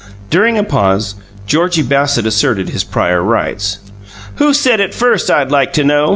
During a pause, Georgie Bassett asserted his prior rights. "Who said it first, I'd like to know?"